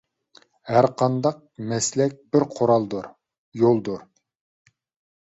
ھەرقانداق مەسلەك بىر قورالدۇر، يولدۇر.